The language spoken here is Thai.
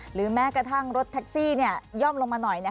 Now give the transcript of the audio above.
หรือแม้กระทั่งรถแท็กซี่ย่อมลงมาหน่อย